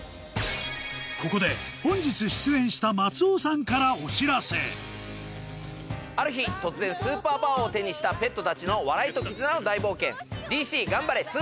ここで本日出演したある日突然スーパーパワーを手にしたペットたちの笑いと絆の大冒険。